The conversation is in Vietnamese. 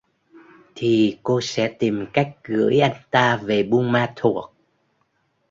Thì cô sẽ tìm cách gửi anh ta về Buôn Ma Thuột